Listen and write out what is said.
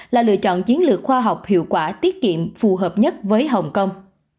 là lựa chọn chiến lược khoa học hiệu quả tiết kiệm phù hợp nhất với hồng kông